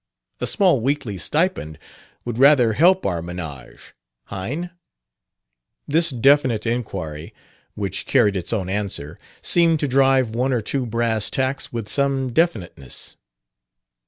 A small weekly stipend would rather help our ménage, hein?" This definite inquiry (which carried its own answer) seemed to drive one or two brass tacks with some definiteness.